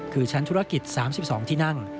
คือชั้นธุรกิจ๓๒ที่นั่ง